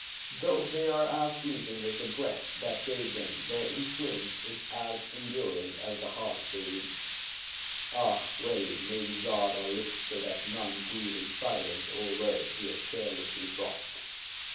Though they are as fleeting as the breath that gave them, their influence is as enduring as the heart they reach. Ah, well may we guard our lips so that none grieve in silence over words we have carelessly dropped.